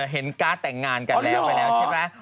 เห็นการ์ดแต่งงานกันไปแล้วใช่ไหม